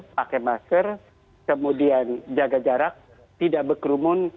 pakai masker kemudian jaga jarak tidak berkerumun